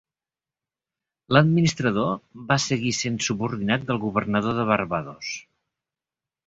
L'administrador va seguir sent subordinat del Governador de Barbados.